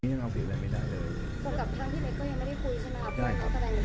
ตรงกับท่านพี่เรกก็ยังไม่ได้คุยใช่ไหมครับ